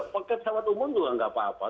pakai pesawat umum juga tidak apa apa